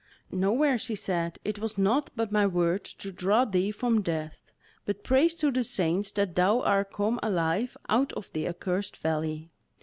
"Nowhere," she said, "it was naught but my word to draw thee from death; but praise to the saints that thou are come alive out of the accursed valley."